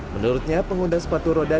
menurutnya pengguna sepatu roda